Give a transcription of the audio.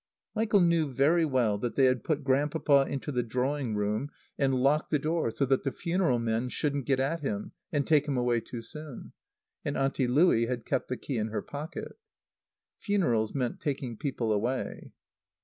Michael knew very well that they had put Grandpapa into the drawing room and locked the door so that the funeral men shouldn't get at him and take him away too soon. And Auntie Louie had kept the key in her pocket. Funerals meant taking people away.